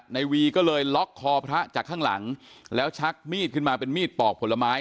ในวีก็เลยล็อกคอพระจากข้างหลังแล้วชักมีดขึ้นมาเป็นมีดปอกผลไม้